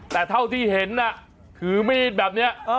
แต่เท่าที่เห็นน่ะถือมีดแบบนี้